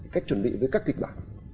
cách chuẩn bị với các kịch bản